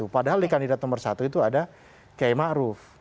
padahal di kandidat nomor satu itu ada k e ma'ruf